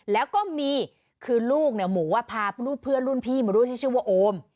แล้วก็มีคือลูกเนี่ยหมู่ว่าพาลูกเพื่อนรุ่นพี่มาด้วยที่ชื่อว่าโอม